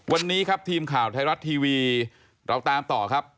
วันนี้ครับทีมข่าวไทยรัฐทีวีเราตามต่อครับ